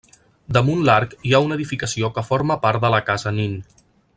Damunt l'arc hi ha una edificació que forma part de la casa Nin.